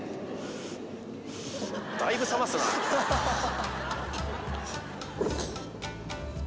だいぶ冷ますなぁ。